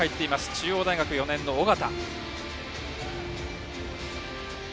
中央大学４年の緒方。